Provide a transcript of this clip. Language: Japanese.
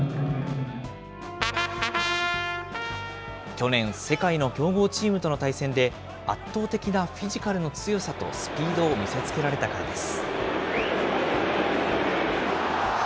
去年、世界の強豪チームとの対戦で、圧倒的なフィジカルの強さとスピードを見せつけられたからです。